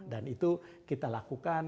dan itu kita lakukan